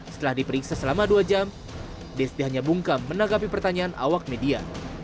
setelah diperiksa selama dua jam desti hanya bungkam menanggapi pertanyaan awak media